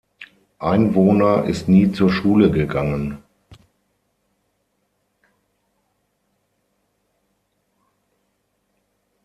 Einwohner ist nie zur Schule gegangen.